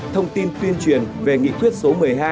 thông tin tuyên truyền về nghị quyết số một mươi hai